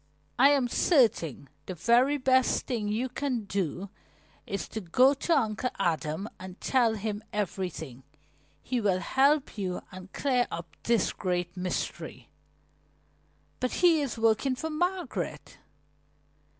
"I am certain the very best thing you can do is to go to Uncle Adam and tell him everything. He will help you and clear up this great mystery." "But he is working for Margaret."